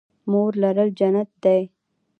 مور لرل جنت دی